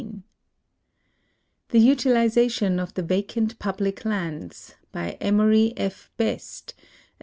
I THE UTILIZATION OF THE VACANT PUBLIC LANDS B}'^ Emory F. Best, As.